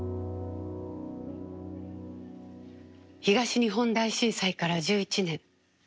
東日本大震災から１１年。